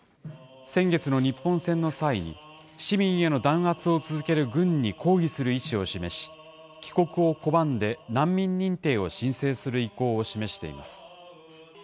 先月の日本戦の際、市民への弾圧を続ける軍に抗議する意思を示し、帰国を拒んで難民認定を申請する意向を示しています。